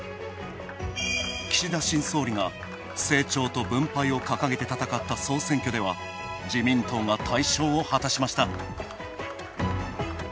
岸田新総理が「成長と分配」を掲げて戦った総選挙では、自民党が大勝を果たしました。